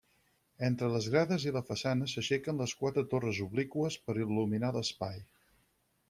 Entre les grades i la façana s'aixequen les quatre torres obliqües per il·luminar l'espai.